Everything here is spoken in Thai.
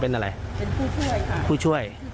เป็นผู้ช่วยค่ะ